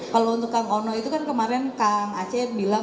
kalau untuk kang ono itu kan kemarin kang aceh bilang